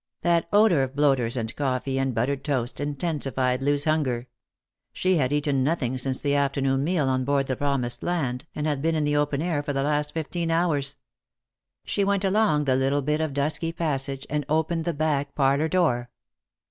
That odour of bloaters and coffee and but tered toast intensified Loo's hunger. She had eaten nothing since the afternoon meal on board the Promised Land, and had 1 ieen in the open air for the last fifteen hours. She went along the little bit of dusky passage, and opened the back parlour door.